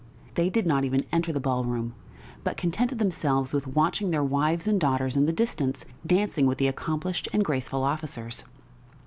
They did not even enter the ball room, but contented themselves with watching their wives and daughters in the distance dancing with the accomplished and graceful officers.